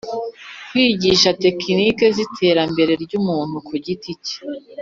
Kwigisha tekiniki z iterambere ry Umuntu ku giti